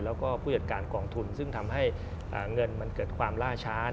แล้วก็ผู้จัดการกองทุนซึ่งทำให้เงินมันเกิดความล่าช้า